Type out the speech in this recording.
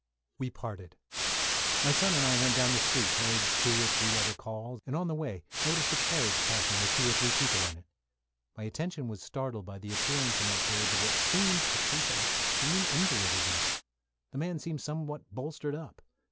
We parted. My son and I went down the street, made two or three other calls, and on the way noticed a carriage passing with two or three people in it. My attention was startled by the appearance in that carriage of what seemed a case of extreme invalidism. The man seemed somewhat bolstered up.